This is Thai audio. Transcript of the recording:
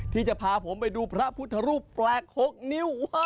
ที่จะพาผมไปดูพระพุทธรูปแปลก๖นิ้ว